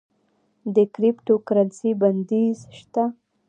د کریپټو کرنسی بندیز شته؟